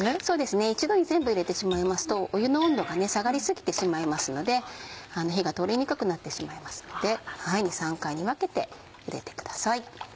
そうですね一度に全部入れてしまいますと湯の温度が下がり過ぎてしまいますので火が通りにくくなってしまいますので２３回に分けて茹でてください。